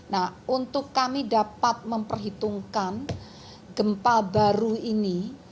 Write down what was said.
nah untuk kami dapat memperhitungkan gempa baru ini